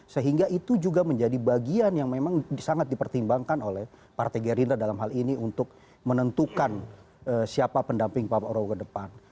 sehingga itu juga menjadi bagian yang memang sangat dipertimbangkan oleh partai gerindra dalam hal ini untuk menentukan siapa pendamping pak prabowo ke depan